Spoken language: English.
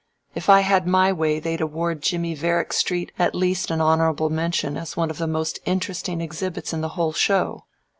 If I had my way they'd award Jimmie Varickstreet at least an honorable mention as one of the most interesting exhibits in the whole show.